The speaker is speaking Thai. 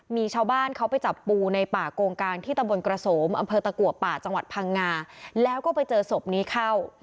มีชาวบ้านเขาไปจับปูในป่าโกงกางที่ตะบนกระโสมอำเภอตะกัวป่าจังหวัดพังงาแล้วก็ไปเจอศพนี้เข้า